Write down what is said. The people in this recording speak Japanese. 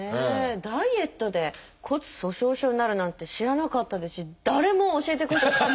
ダイエットで骨粗しょう症になるなんて知らなかったですし誰も教えてくれなかった。